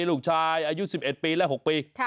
ลูกชายอายุ๑๑ปีและ๖ปี